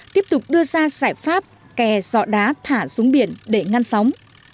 tiếp tục đưa ra giải pháp kè dọ đá thả xuống biển để ngăn sóng